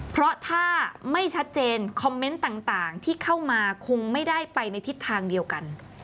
เพราะถ้าไม่ชัดเจนคอมเมนต์ต่างที่เข้ามาคงไม่ได้ไปในทิศทางเดียวกัน